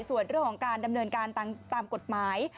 ส่วนเรื่องของการดำเนินการตามกฎหมาย